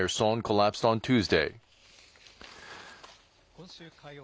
今週火曜。